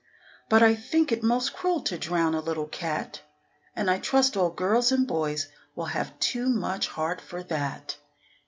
But I think it is most cruel to drown a little cat; And I trust all girls and boys will have too much heart for that.